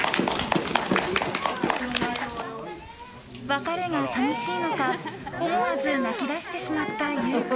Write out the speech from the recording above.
別れが寂しいのか思わず泣き出してしまった由宇君。